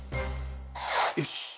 よし！